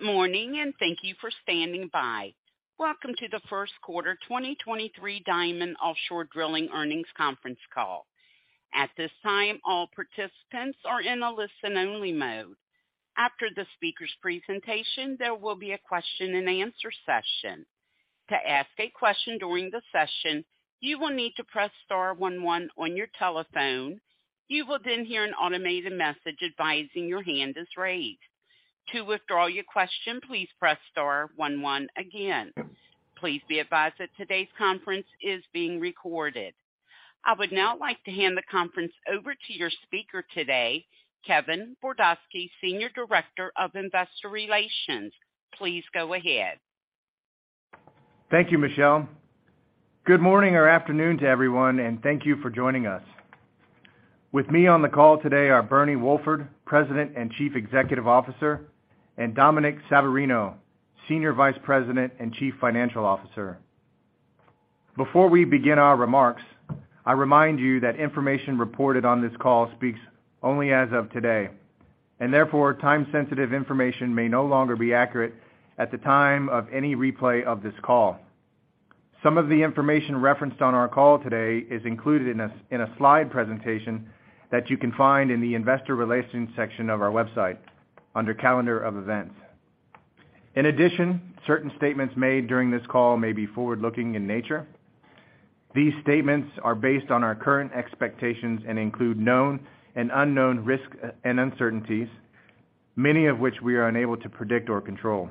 Good morning, and thank you for standing by. Welcome to the first quarter 2023 Diamond Offshore Drilling Earnings Conference Call. At this time, all participants are in a listen-only mode. After the speaker's presentation, there will be a question-and-answer session. To ask a question during the session, you will need to press star one one on your telephone. You will then hear an automated message advising your hand is raised. To withdraw your question, please press star one one again. Please be advised that today's conference is being recorded. I would now like to hand the conference over to your speaker today, Kevin Bordosky, Senior Director of Investor Relations. Please go ahead. Thank you, Michelle. Good morning or afternoon to everyone. Thank you for joining us. With me on the call today are Bernie Wolford, President and Chief Executive Officer, and Dominic Savarino, Senior Vice President and Chief Financial Officer. Before we begin our remarks, I remind you that information reported on this call speaks only as of today, and therefore, time-sensitive information may no longer be accurate at the time of any replay of this call. Some of the information referenced on our call today is included in a slide presentation that you can find in the investor relations section of our website under Calendar of Events. In addition, certain statements made during this call may be forward-looking in nature. These statements are based on our current expectations and include known and unknown risk and uncertainties, many of which we are unable to predict or control.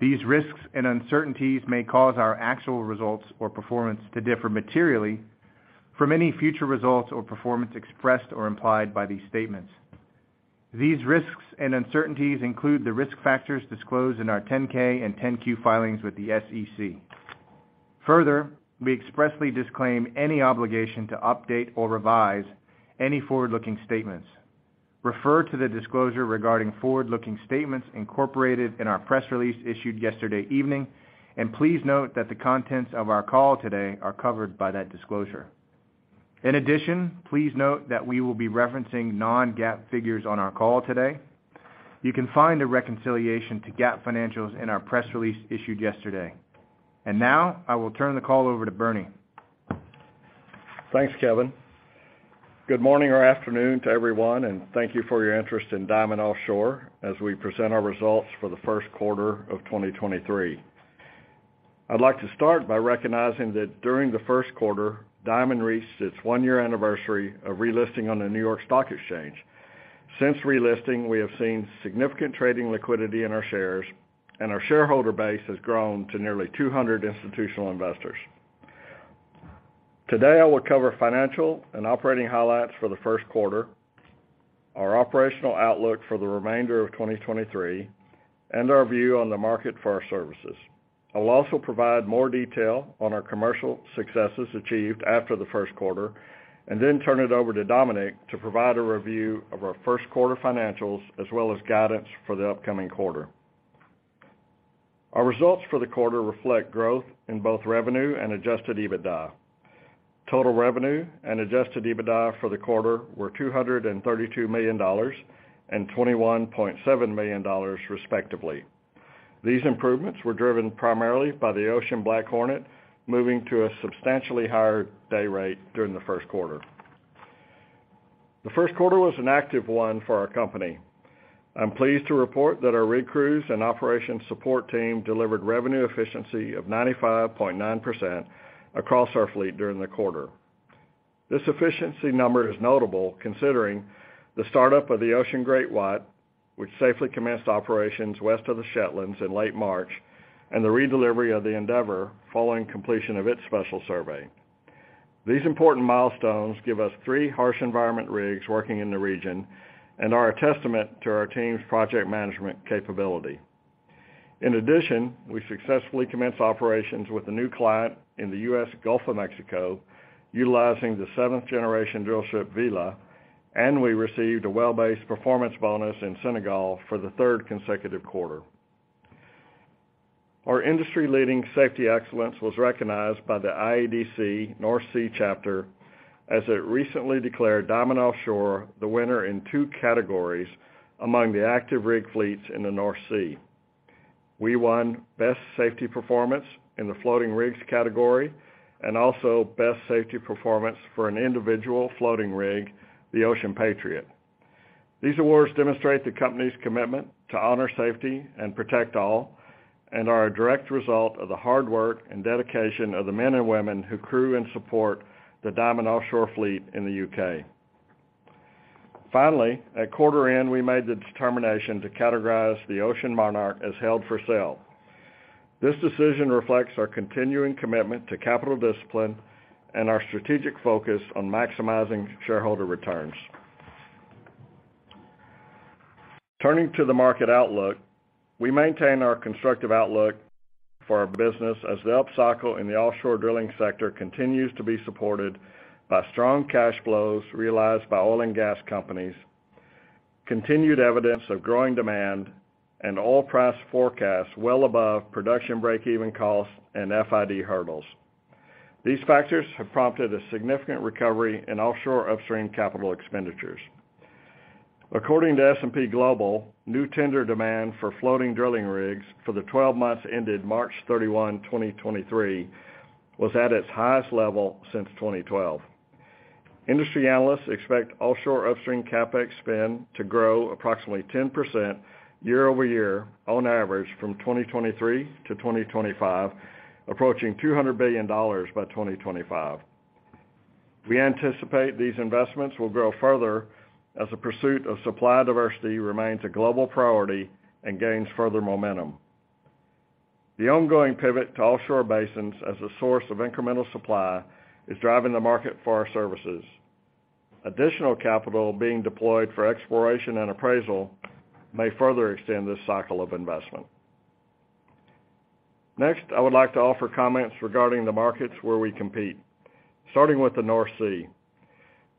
These risks and uncertainties may cause our actual results or performance to differ materially from any future results or performance expressed or implied by these statements. These risks and uncertainties include the risk factors disclosed in our 10-K and 10-Q filings with the SEC. Further, we expressly disclaim any obligation to update or revise any forward-looking statements. Refer to the disclosure regarding forward-looking statements incorporated in our press release issued yesterday evening, and please note that the contents of our call today are covered by that disclosure. In addition, please note that we will be referencing non-GAAP figures on our call today. You can find a reconciliation to GAAP financials in our press release issued yesterday. Now I will turn the call over to Bernie. Thanks, Kevin. Good morning or afternoon to everyone, and thank you for your interest in Diamond Offshore as we present our results for the first quarter of 2023. I'd like to start by recognizing that during the first quarter, Diamond reached its one year anniversary of relisting on the New York Stock Exchange. Since relisting, we have seen significant trading liquidity in our shares, and our shareholder base has grown to nearly 200 institutional investors. Today, I will cover financial and operating highlights for the first quarter, our operational outlook for the remainder of 2023, and our view on the market for our services. I'll also provide more detail on our commercial successes achieved after the first quarter and then turn it over to Dominic to provide a review of our first quarter financials as well as guidance for the upcoming quarter. Our results for the quarter reflect growth in both revenue and Adjusted EBITDA. Total revenue and Adjusted EBITDA for the quarter were $232 million and $21.7 million, respectively. These improvements were driven primarily by the Ocean BlackHornet moving to a substantially higher day rate during the first quarter. The first quarter was an active one for our company. I'm pleased to report that our rig crews and operations support team delivered revenue efficiency of 95.9% across our fleet during the quarter. This efficiency number is notable considering the startup of the Ocean GreatWhite, which safely commenced operations west of the Shetlands in late March, and the redelivery of the Endeavor following completion of its special survey. These important milestones give us three harsh environment rigs working in the region and are a testament to our team's project management capability. We successfully commenced operations with a new client in the US Gulf of Mexico utilizing the 7th-generation drillship, Vela, and we received a well-based performance bonus in Senegal for the third consecutive quarter. Our industry-leading safety excellence was recognized by the IADC North Sea chapter as it recently declared Diamond Offshore the winner in two categories among the active rig fleets in the North Sea. We won Best Safety Performance in the floating rigs category and also Best Safety Performance for an individual floating rig, the Ocean Patriot. These awards demonstrate the company's commitment to honor safety and protect all and are a direct result of the hard work and dedication of the men and women who crew and support the Diamond Offshore fleet in the U.K. At quarter end, we made the determination to categorize the Ocean Monarch as held for sale. This decision reflects our continuing commitment to capital discipline and our strategic focus on maximizing shareholder returns. Turning to the market outlook, we maintain our constructive outlook for our business as the upcycle in the offshore drilling sector continues to be supported by strong cash flows realized by oil and gas companies, continued evidence of growing demand, and oil price forecasts well above production break-even costs and FID hurdles. These factors have prompted a significant recovery in offshore upstream capital expenditures. According to S&P Global, new tender demand for floating drilling rigs for the 12 months ended March 31, 2023, was at its highest level since 2012. Industry analysts expect offshore upstream CapEx spend to grow approximately 10% year-over-year on average from 2023 to 2025, approaching $200 billion by 2025. We anticipate these investments will grow further as a pursuit of supply diversity remains a global priority and gains further momentum. The ongoing pivot to offshore basins as a source of incremental supply is driving the market for our services. Additional capital being deployed for exploration and appraisal may further extend this cycle of investment. Next, I would like to offer comments regarding the markets where we compete, starting with the North Sea.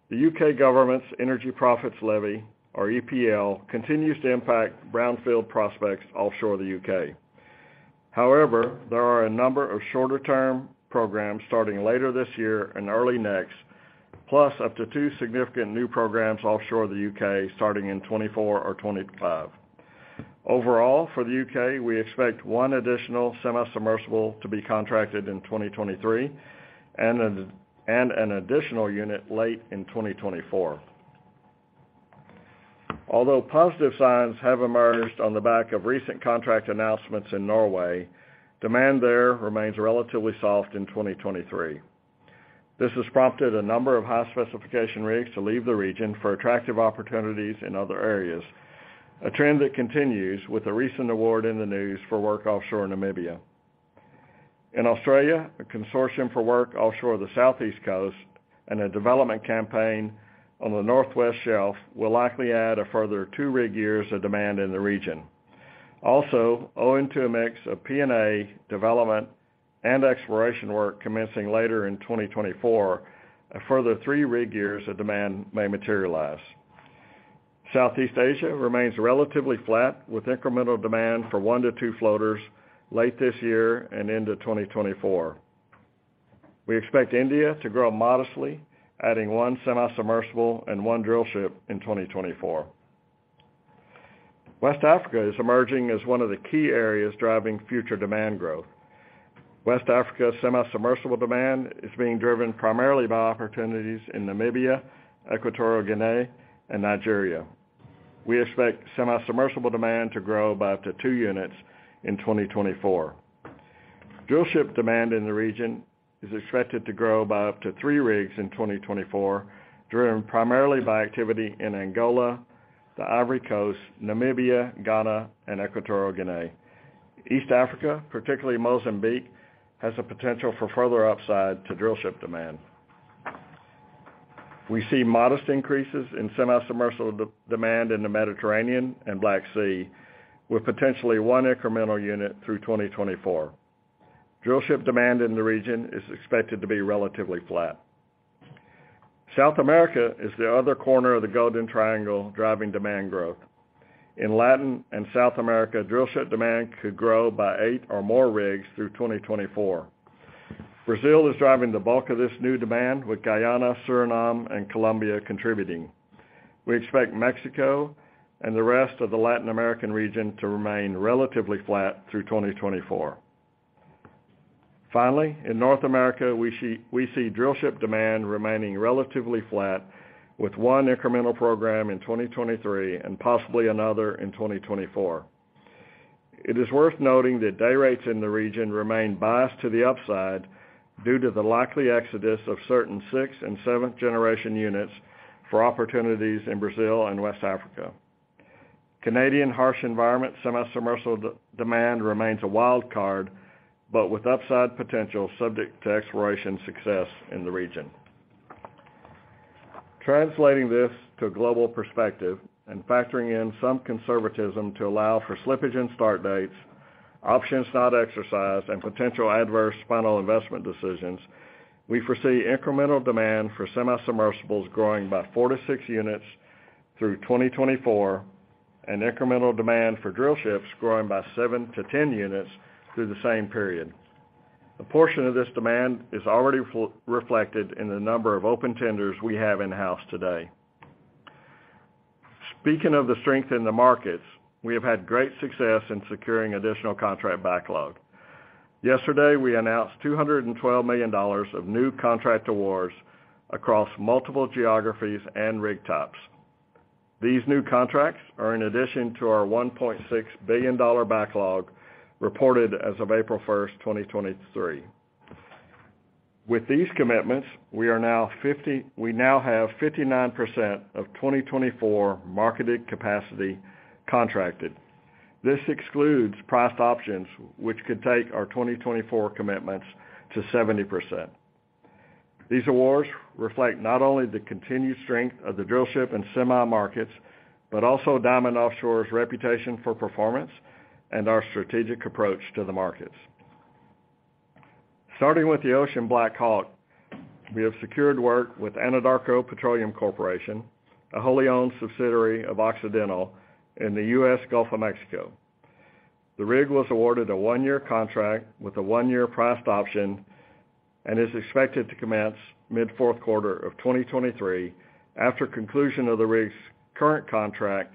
The UK government's Energy Profits Levy, or EPL, continues to impact brownfield prospects offshore the UK. There are a number of shorter-term programs starting later this year and early next, plus up to two significant new programs offshore the UK starting in 2024 or 2025. For the UK, we expect one additional semi-submersible to be contracted in 2023 and an additional unit late in 2024. Although positive signs have emerged on the back of recent contract announcements in Norway, demand there remains relatively soft in 2023. This has prompted a number of high-specification rigs to leave the region for attractive opportunities in other areas, a trend that continues with a recent award in the news for work offshore Namibia. In Australia, a consortium for work offshore the southeast coast and a development campaign on the northwest shelf will likely add a further two rig years of demand in the region. Owing to a mix of P&A development and exploration work commencing later in 2024, a further three rig years of demand may materialize. Southeast Asia remains relatively flat with incremental demand for one to two floaters late this year and into 2024. We expect India to grow modestly, adding one semi-submersible and one drillship in 2024. West Africa is emerging as one of the key areas driving future demand growth. West Africa semi-submersible demand is being driven primarily by opportunities in Namibia, Equatorial Guinea, and Nigeria. We expect semi-submersible demand to grow by up to two units in 2024. Drillship demand in the region is expected to grow by up to three rigs in 2024, driven primarily by activity in Angola, the Ivory Coast, Namibia, Ghana, and Equatorial Guinea. East Africa, particularly Mozambique, has the potential for further upside to drillship demand. We see modest increases in semi-submersible demand in the Mediterranean and Black Sea, with potentially one incremental unit through 2024. Drillship demand in the region is expected to be relatively flat. South America is the other corner of the Golden Triangle driving demand growth. In Latin and South America, drillship demand could grow by eight or more rigs through 2024. Brazil is driving the bulk of this new demand, with Guyana, Suriname, and Colombia contributing. We expect Mexico and the rest of the Latin American region to remain relatively flat through 2024. In North America, we see drillship demand remaining relatively flat with one incremental program in 2023 and possibly another in 2024. It is worth noting that day rates in the region remain biased to the upside due to the likely exodus of certain sixth and seventh-generation units for opportunities in Brazil and West Africa. Canadian harsh environment semi-submersible demand remains a wild card, with upside potential subject to exploration success in the region. Translating this to a global perspective and factoring in some conservatism to allow for slippage in start dates, options not exercised, and potential adverse final investment decisions, we foresee incremental demand for semi-submersibles growing by four to six units through 2024, and incremental demand for drillships growing by seven to 10 units through the same period. A portion of this demand is already reflected in the number of open tenders we have in-house today. Speaking of the strength in the markets, we have had great success in securing additional contract backlog. Yesterday, we announced $212 million of new contract awards across multiple geographies and rig types. These new contracts are in addition to our $1.6 billion backlog reported as of April 1, 2023. With these commitments, we now have 59% of 2024 marketed capacity contracted. This excludes priced options, which could take our 2024 commitments to 70%. These awards reflect not only the continued strength of the drillship and semi markets, but also Diamond Offshore's reputation for performance and our strategic approach to the markets. Starting with the Ocean BlackHawk, we have secured work with Anadarko Petroleum Corporation, a wholly-owned subsidiary of Occidental in the US Gulf of Mexico. The rig was awarded a one year contract with a one year priced option, and is expected to commence mid-fourth quarter of 2023 after conclusion of the rig's current contract,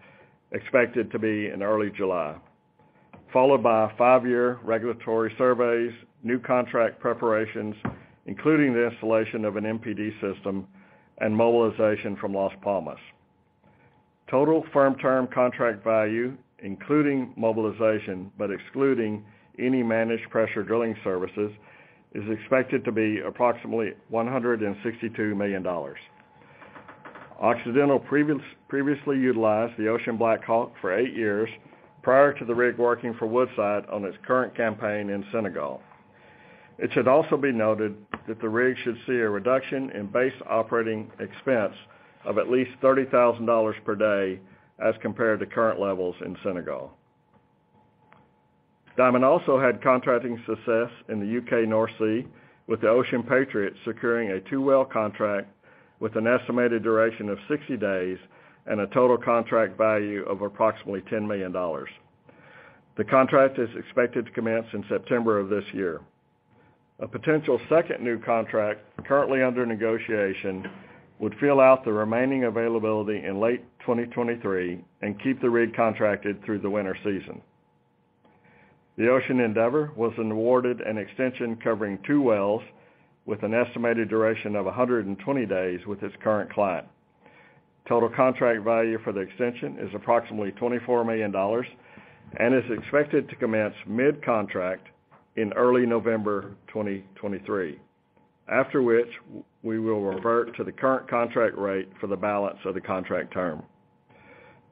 expected to be in early July, followed by a five year regulatory surveys, new contract preparations, including the installation of an MPD system and mobilization from Las Palmas. Total firm term contract value, including mobilization, but excluding any managed pressure drilling services, is expected to be approximately $162 million. Occidental previously utilized the Ocean BlackHawk for eight years prior to the rig working for Woodside on its current campaign in Senegal. It should also be noted that the rig should see a reduction in base operating expense of at least $30,000 per day as compared to current levels in Senegal. Diamond also had contracting success in the UK North Sea, with the Ocean Patriot securing a two-well contract with an estimated duration of 60 days and a total contract value of approximately $10 million. The contract is expected to commence in September of this year. A potential second new contract, currently under negotiation, would fill out the remaining availability in late 2023 and keep the rig contracted through the winter season. The Ocean Endeavor was awarded an extension covering two-wells with an estimated duration of 120 days with its current client. Total contract value for the extension is approximately $24 million and is expected to commence mid-contract in early November 2023, after which we will revert to the current contract rate for the balance of the contract term.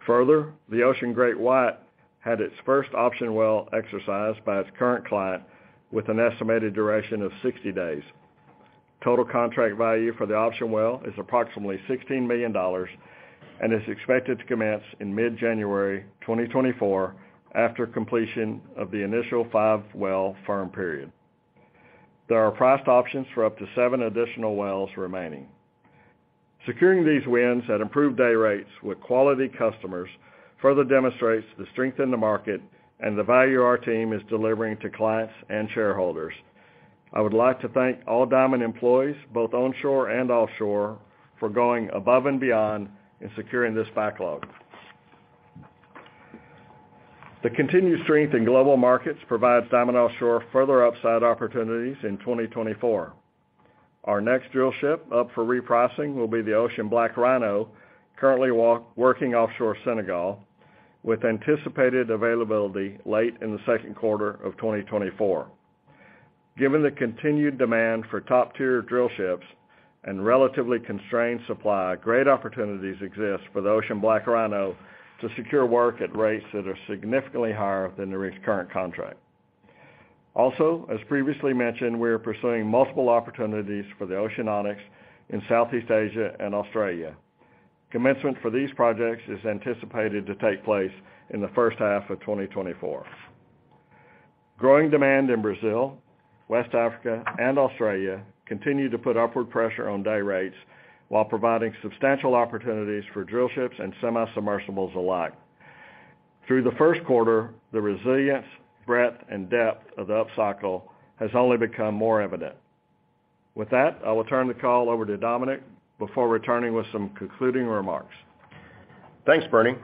Further, the Ocean GreatWhite had its first option well exercised by its current client with an estimated duration of 60 days. Total contract value for the option well is approximately $16 million and is expected to commence in mid-January 2024 after completion of the initial five-well firm period. There are priced options for up to seven additional wells remaining. Securing these wins at improved day rates with quality customers further demonstrates the strength in the market and the value our team is delivering to clients and shareholders. I would like to thank all Diamond employees, both onshore and offshore, for going above and beyond in securing this backlog. The continued strength in global markets provides Diamond Offshore further upside opportunities in 2024. Our next drillship up for repricing will be the Ocean BlackRhino, currently working offshore Senegal, with anticipated availability late in the second quarter of 2024. Given the continued demand for top-tier drillships and relatively constrained supply, great opportunities exist for the Ocean BlackRhino to secure work at rates that are significantly higher than the rig's current contract. As previously mentioned, we are pursuing multiple opportunities for the Ocean Onyx in Southeast Asia and Australia. Commencement for these projects is anticipated to take place in the first half of 2024. Growing demand in Brazil, West Africa, and Australia continue to put upward pressure on day rates while providing substantial opportunities for drillships and semisubmersibles alike. Through the first quarter, the resilience, breadth, and depth of the upcycle has only become more evident. With that, I will turn the call over to Dominic before returning with some concluding remarks. Thanks, Bernie.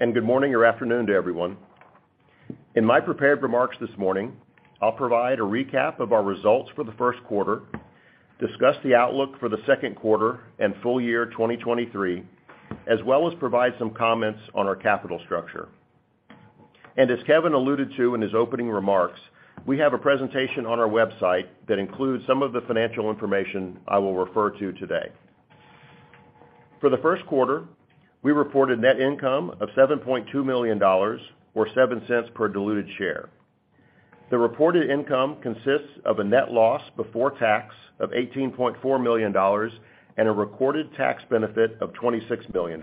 Good morning or afternoon to everyone. In my prepared remarks this morning, I'll provide a recap of our results for the first quarter, discuss the outlook for the second quarter and full year 2023, as well as provide some comments on our capital structure. As Kevin alluded to in his opening remarks, we have a presentation on our website that includes some of the financial information I will refer to today. For the first quarter, we reported net income of $7.2 million, or $0.07 per diluted share. The reported income consists of a net loss before tax of $18.4 million and a recorded tax benefit of $26 million.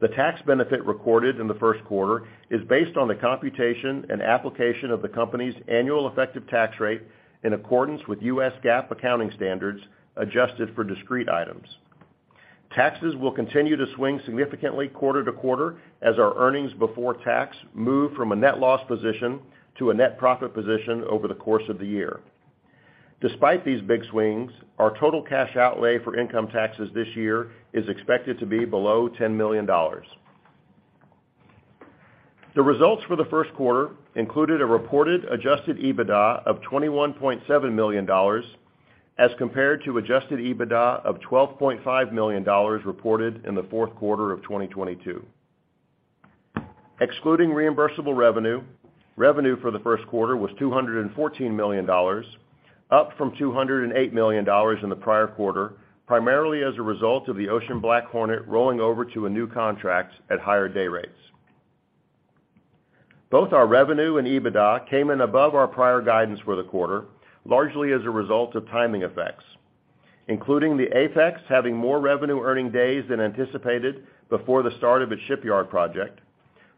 The tax benefit recorded in the first quarter is based on the computation and application of the company's annual effective tax rate in accordance with US GAAP accounting standards adjusted for discrete items. Taxes will continue to swing significantly quarter to quarter as our earnings before tax move from a net loss position to a net profit position over the course of the year. Despite these big swings, our total cash outlay for income taxes this year is expected to be below $10 million. The results for the first quarter included a reported Adjusted EBITDA of $21.7 million as compared to Adjusted EBITDA of $12.5 million reported in the fourth quarter of 2022. Excluding reimbursable revenue for the first quarter was $214 million, up from $208 million in the prior quarter, primarily as a result of the Ocean BlackHornet rolling over to a new contract at higher day rates. Both our revenue and EBITDA came in above our prior guidance for the quarter, largely as a result of timing effects, including the Apex having more revenue earning days than anticipated before the start of its shipyard project,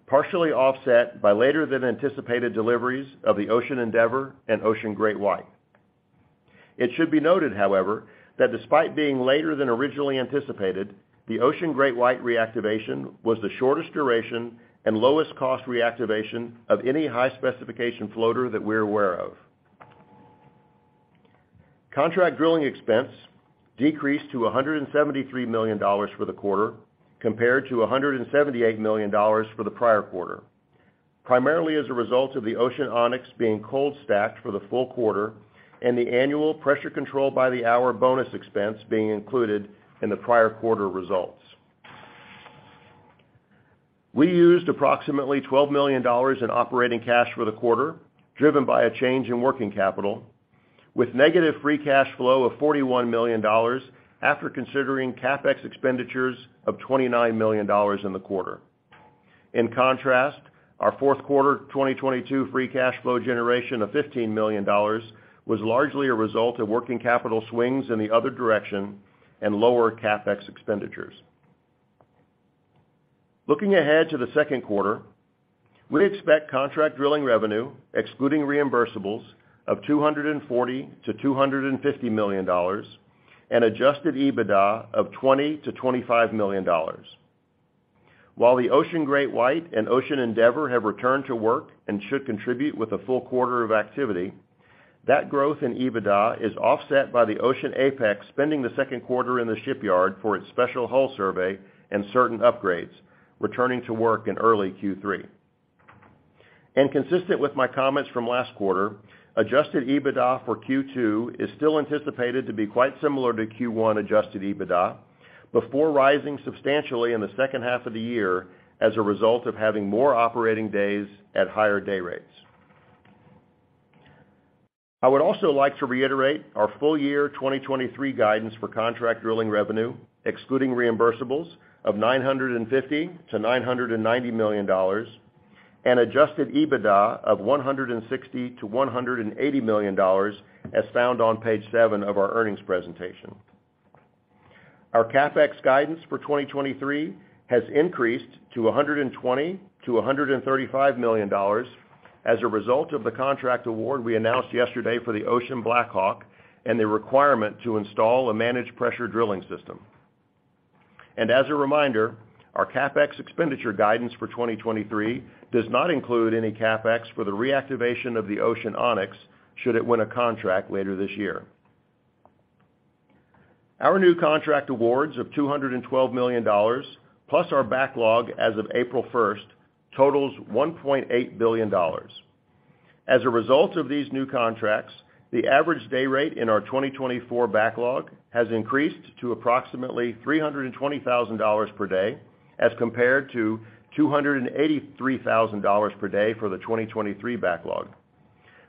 partially offset by later than anticipated deliveries of the Ocean Endeavor and Ocean GreatWhite. It should be noted, however, that despite being later than originally anticipated, the Ocean GreatWhite reactivation was the shortest duration and lowest cost reactivation of any high-specification floater that we're aware of. Contract drilling expense decreased to $173 million for the quarter, compared to $178 million for the prior quarter, primarily as a result of the Ocean Onyx being cold-stacked for the full quarter and the annual Pressure Control by the Hour bonus expense being included in the prior quarter results. We used approximately $12 million in operating cash for the quarter, driven by a change in working capital, with negative free cash flow of $41 million after considering CapEx expenditures of $29 million in the quarter. In contrast, our fourth quarter 2022 free cash flow generation of $15 million was largely a result of working capital swings in the other direction and lower CapEx expenditures. Looking ahead to the second quarter, we expect contract drilling revenue, excluding reimbursables, of $240 million-$250 million and Adjusted EBITDA of $20 million-$25 million. While the Ocean GreatWhite and Ocean Endeavor have returned to work and should contribute with a full quarter of activity, that growth in EBITDA is offset by the Ocean Apex spending the second quarter in the shipyard for its special hull survey and certain upgrades, returning to work in early Q3. Consistent with my comments from last quarter, Adjusted EBITDA for Q2 is still anticipated to be quite similar to Q1 Adjusted EBITDA before rising substantially in the second half of the year as a result of having more operating days at higher day rates. I would also like to reiterate our full year 2023 guidance for contract drilling revenue, excluding reimbursables, of $950 million-$990 million and Adjusted EBITDA of $160 million-$180 million, as found on page seven of our earnings presentation. Our CapEx guidance for 2023 has increased to $120 million-$135 million as a result of the contract award we announced yesterday for the Ocean BlackHawk and the requirement to install a managed pressure drilling system. As a reminder, our CapEx expenditure guidance for 2023 does not include any CapEx for the reactivation of the Ocean Onyx should it win a contract later this year. Our new contract awards of $212 million, plus our backlog as of April 1st, totals $1.8 billion. As a result of these new contracts, the average day rate in our 2024 backlog has increased to approximately $320,000 per day as compared to $283,000 per day for the 2023 backlog,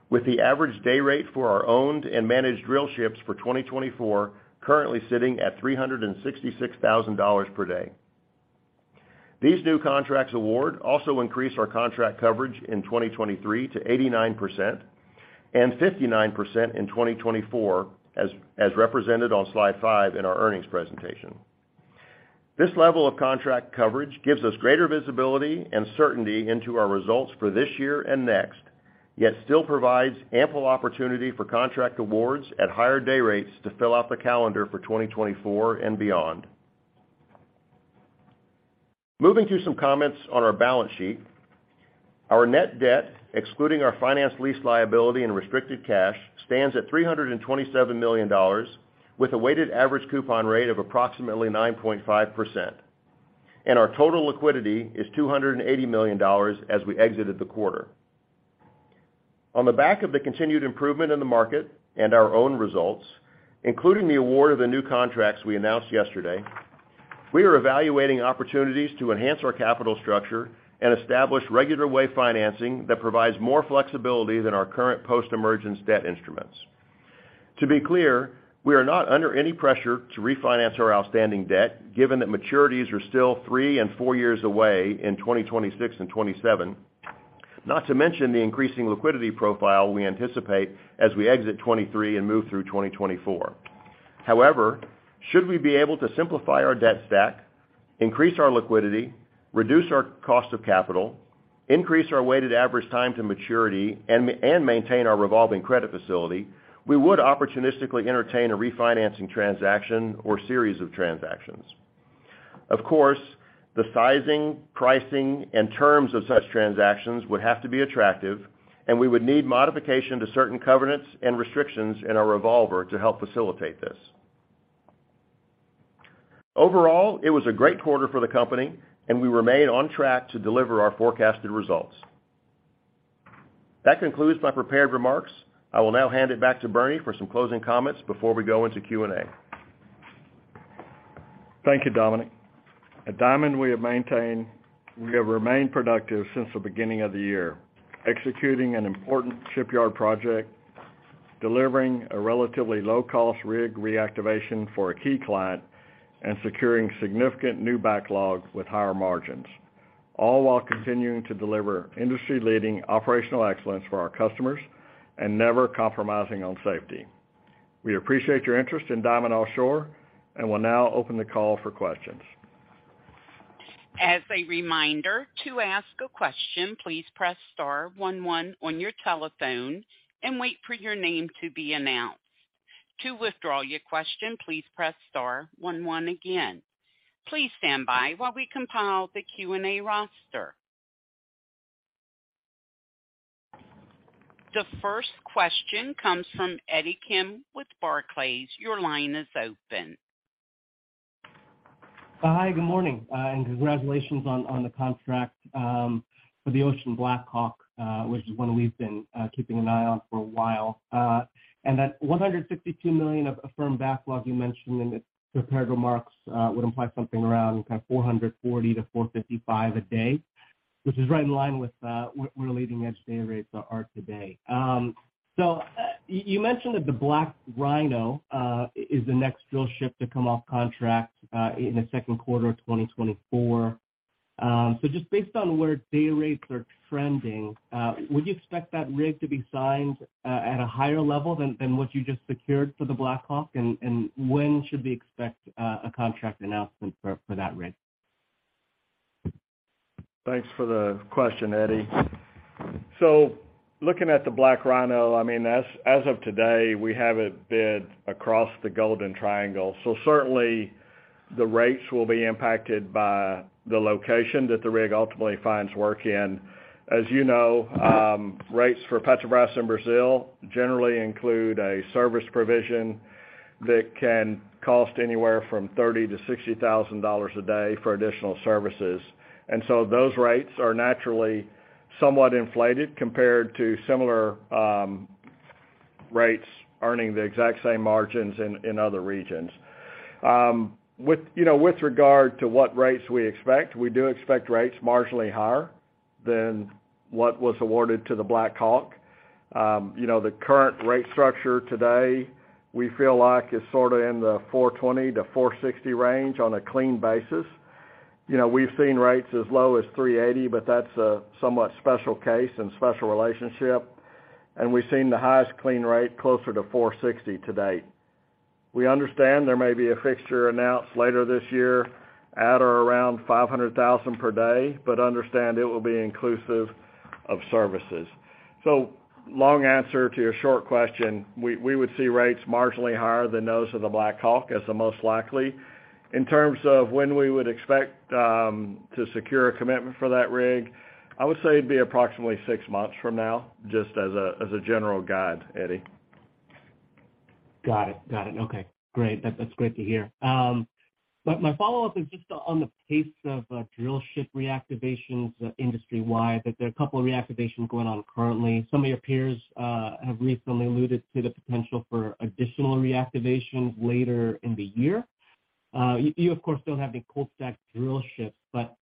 with the average day rate for our owned and managed drillships for 2024 currently sitting at $366,000 per day. These new contracts award also increase our contract coverage in 2023 to 89% and 59% in 2024, as represented on slide 5 in our earnings presentation. This level of contract coverage gives us greater visibility and certainty into our results for this year and next, yet still provides ample opportunity for contract awards at higher day rates to fill out the calendar for 2024 and beyond. Moving to some comments on our balance sheet. Our net debt, excluding our finance lease liability and restricted cash, stands at $327 million with a weighted average coupon rate of approximately 9.5%, and our total liquidity is $280 million as we exited the quarter. On the back of the continued improvement in the market and our own results, including the award of the new contracts we announced yesterday, we are evaluating opportunities to enhance our capital structure and establish regular way financing that provides more flexibility than our current post-emergence debt instruments. To be clear, we are not under any pressure to refinance our outstanding debt, given that maturities are still three and four years away in 2026 and 2027, not to mention the increasing liquidity profile we anticipate as we exit 2023 and move through 2024. Should we be able to simplify our debt stack, increase our liquidity, reduce our cost of capital, increase our weighted average time to maturity and maintain our revolving credit facility, we would opportunistically entertain a refinancing transaction or series of transactions. The sizing, pricing, and terms of such transactions would have to be attractive, and we would need modification to certain covenants and restrictions in our revolver to help facilitate this. It was a great quarter for the company and we remain on track to deliver our forecasted results. That concludes my prepared remarks. I will now hand it back to Bernie for some closing comments before we go into Q&A. Thank you, Dominic. At Diamond, we have remained productive since the beginning of the year, executing an important shipyard project, delivering a relatively low-cost rig reactivation for a key client, and securing significant new backlogs with higher margins, all while continuing to deliver industry-leading operational excellence for our customers and never compromising on safety. We appreciate your interest in Diamond Offshore and will now open the call for questions. As a reminder, to ask a question, please press star one one on your telephone and wait for your name to be announced. To withdraw your question, please press star one one again. Please stand by while we compile the Q&A roster. The first question comes from Eddie Kim with Barclays. Your line is open. Hi, good morning, and congratulations on the contract for the Ocean BlackHawk, which is one we've been keeping an eye on for a while. That $152 million of affirmed backlog you mentioned in the prepared remarks would imply something around kind of $440-$455 a day, which is right in line with what we're leading edge day rates are today. You mentioned that the BlackRhino is the next drillship to come off contract in the second quarter of 2024. Just based on where day rates are trending, would you expect that rig to be signed at a higher level than what you just secured for the BlackHawk? When should we expect a contract announcement for that rig? Thanks for the question, Eddie. Looking at the Ocean BlackRhino, I mean, as of today, we have it bid across the Golden Triangle. Certainly the rates will be impacted by the location that the rig ultimately finds work in. As you know, rates for Petrobras in Brazil generally include a service provision that can cost anywhere from $30,000-$60,000 a day for additional services. Those rates are naturally somewhat inflated compared to similar rates earning the exact same margins in other regions. With, you know, with regard to what rates we expect, we do expect rates marginally higher than what was awarded to the Ocean BlackHawk. You know, the current rate structure today, we feel like is sort of in the $420-$460 range on a clean basis. You know, we've seen rates as low as $380,000, but that's a somewhat special case and special relationship, and we've seen the highest clean rate closer to $460,000 to date. We understand there may be a fixture announced later this year at or around $500,000 per day, but understand it will be inclusive of services. Long answer to your short question, we would see rates marginally higher than those of the BlackHawk as the most likely. In terms of when we would expect to secure a commitment for that rig, I would say it'd be approximately six months from now, just as a general guide, Eddie. Got it. Got it. Okay, great. That's great to hear. My follow-up is just on the pace of drillship reactivations industry-wide. There are a couple of reactivations going on currently. Some of your peers have recently alluded to the potential for additional reactivations later in the year. You of course don't have any cold-stacked drillships, but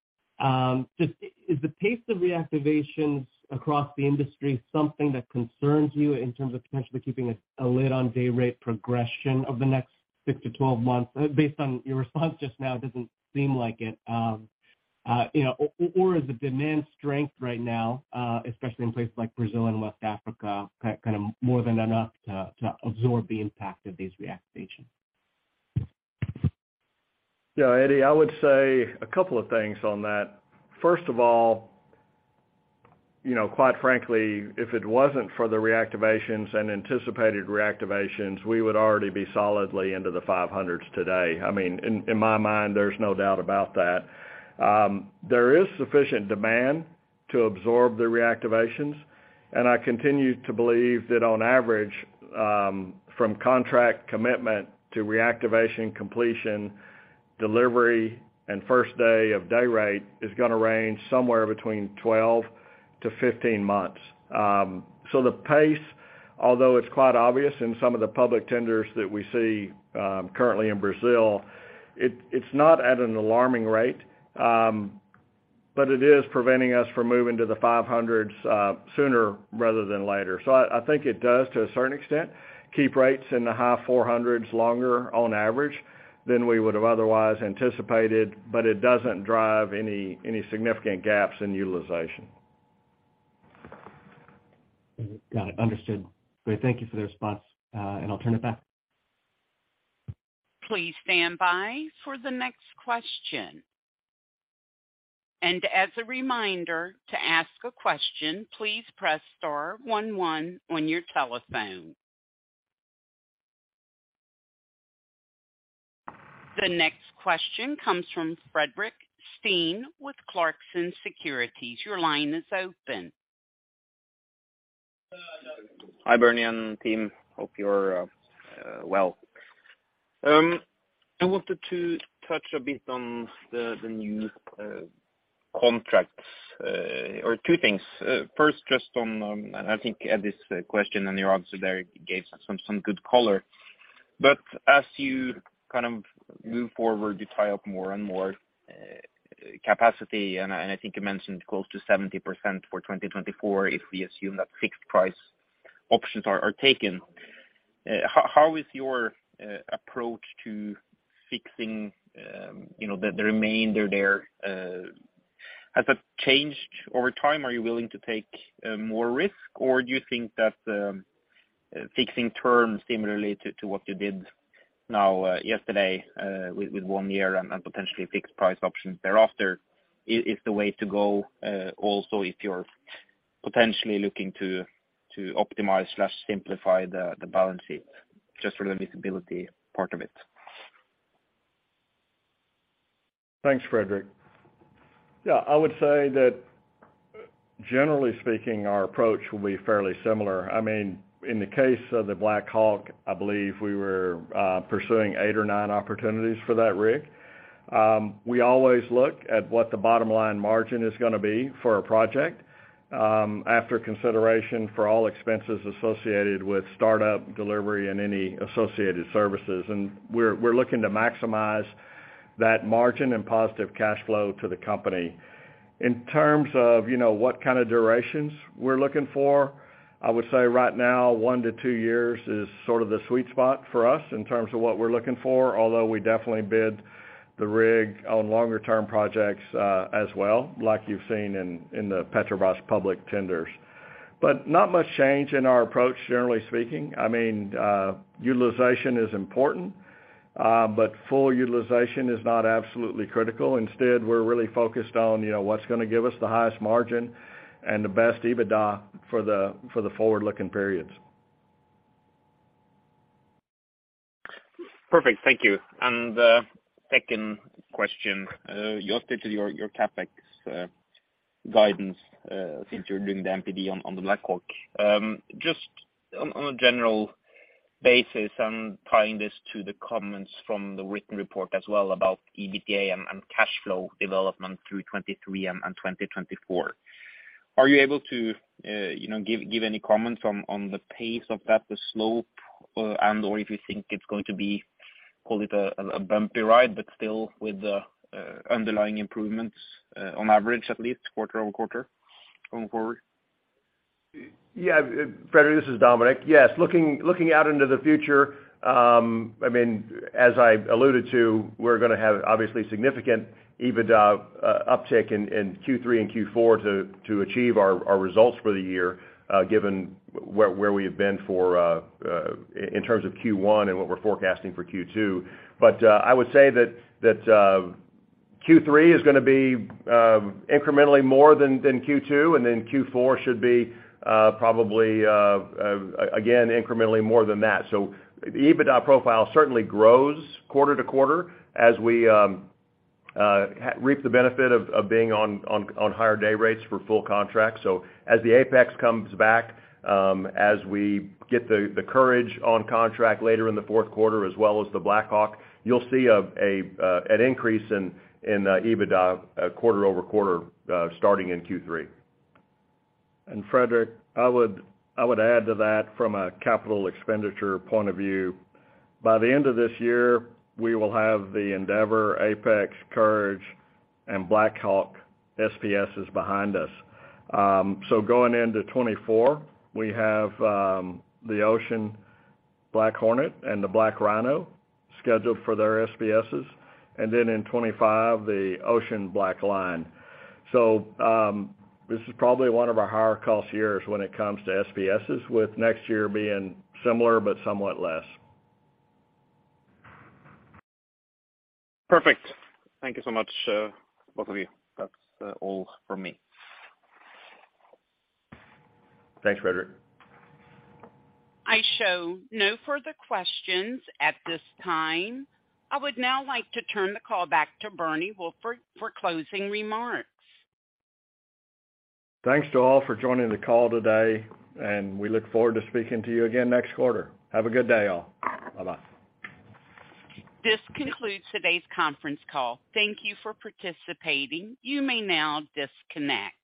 just is the pace of reactivations across the industry something that concerns you in terms of potentially keeping a lid on day rate progression over the next six to 12 months? Based on your response just now, it doesn't seem like it, you know. Is the demand strength right now, especially in places like Brazil and West Africa, kind of more than enough to absorb the impact of these reactivations? Eddie, I would say a couple of things on that. First of all, you know, quite frankly, if it wasn't for the reactivations and anticipated reactivations, we would already be solidly into the $500s today. I mean, in my mind, there's no doubt about that. There is sufficient demand to absorb the reactivations, and I continue to believe that on average, from contract commitment to reactivation completion, delivery and first day of day rate is gonna range somewhere between 12-15 months. The pace, although it's quite obvious in some of the public tenders that we see, currently in Brazil, it's not at an alarming rate, but it is preventing us from moving to the $500s sooner rather than later. I think it does, to a certain extent, keep rates in the high four hundreds longer on average than we would have otherwise anticipated, but it doesn't drive any significant gaps in utilization. Got it. Understood. Great thank you for the response. I'll turn it back. Please stand by for the next question. As a reminder to ask a question, please press star one one on your telephone. The next question comes from Fredrik Stene with Clarksons Securities. Your line is open. Hi, Bernie and team. Hope you're well. I wanted to touch a bit on the new contracts, or two things. First, just on, and I think Eddie's question and your answer there gave some good color. As you kind of move forward, you tie up more and more capacity, and I think you mentioned close to 70% for 2024 if we assume that fixed price options are taken. How is your approach to fixing, you know, the remainder there? Has that changed over time? Are you willing to take more risk, or do you think that fixing terms similarly to what you did now, yesterday, with one year and potentially fixed price options thereafter is the way to go, also if you're potentially looking to optimize/simplify the balance sheet just for the visibility part of it? Thanks, Fredrik. Yeah, I would say that generally speaking, our approach will be fairly similar. I mean, in the case of the Ocean BlackHawk, I believe we were pursuing eight or nine opportunities for that rig. We always look at what the bottom-line margin is gonna be for a project after consideration for all expenses associated with startup delivery and any associated services. We're looking to maximize that margin and positive cash flow to the company. In terms of, you know, what kind of durations we're looking for, I would say right now, one to two years is sort of the sweet spot for us in terms of what we're looking for, although we definitely bid the rig on longer term projects as well, like you've seen in the Petrobras public tenders. Not much change in our approach, generally speaking. I mean, utilization is important, but full utilization is not absolutely critical. Instead, we're really focused on, you know, what's gonna give us the highest margin and the best EBITDA for the, for the forward-looking periods. Perfect. Thank you. Second question. You updated your CapEx guidance since you're doing the MPD on the Ocean BlackHawk. Just on a general basis and tying this to the comments from the written report as well about EBITDA and cash flow development through 2023 and 2024, are you able to, you know, give any comments on the pace of that, the slope, and/or if you think it's going to be, call it a bumpy ride, but still with the underlying improvements on average, at least quarter-over-quarter going forward? Yeah. Fredrik, this is Dominic. Yes. Looking out into the future, I mean, as I alluded to, we're going to have obviously significant EBITDA uptick in Q3 and Q4 to achieve our results for the year, given where we have been for in terms of Q1 and what we're forecasting for Q2. I would say that Q3 is going to be incrementally more than Q2, Q4 should be probably again incrementally more than that. The EBITDA profile certainly grows quarter to quarter as we reap the benefit of being on higher day rates for full contracts. As the Apex comes back, as we get the Courage on contract later in the fourth quarter as well as the Blackhawk, you'll see an increase in EBITDA, quarter over quarter, starting in Q3. Fredrik, I would add to that from a capital expenditure point of view. By the end of this year, we will have the Endeavor, Apex, Courage, and BlackHawk SPSs behind us. Going into 2024, we have the Ocean BlackHornet and the BlackRhino scheduled for their SBSs, and then in 2025, the Ocean BlackLion. This is probably one of our higher cost years when it comes to SBSs, with next year being similar but somewhat less. Perfect. Thank you so much, both of you. That's all from me. Thanks, Fredrik. I show no further questions at this time. I would now like to turn the call back to Bernie Wolford for closing remarks. Thanks to all for joining the call today, and we look forward to speaking to you again next quarter. Have a good day, all. Bye-bye. This concludes today's conference call. Thank you for participating. You may now disconnect.